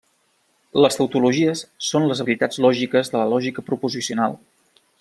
Les tautologies són les veritats lògiques de la lògica proposicional.